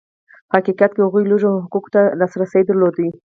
په حقیقت کې هغوی لږو حقوقو ته لاسرسی درلود.